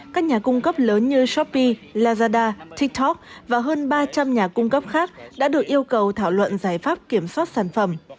các nhà cung cấp lớn như shopee lazada tiktok và hơn ba trăm linh nhà cung cấp khác đã được yêu cầu thảo luận giải pháp kiểm soát sản phẩm